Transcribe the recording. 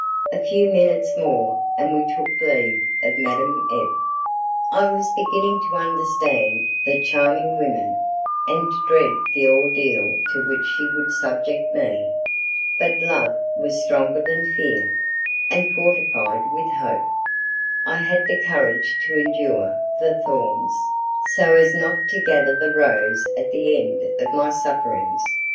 A few minutes more, and we took leave of Madame F . I was beginning to understand that charming woman, and to dread the ordeal to which she would subject me. But love was stronger than fear, and, fortified with hope, I had the courage to endure the thorns, so as to gather the rose at the end of my sufferings.